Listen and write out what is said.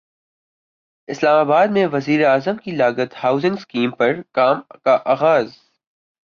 اسلام اباد میں وزیراعظم کم لاگت ہاسنگ اسکیم پر کام کا اغاز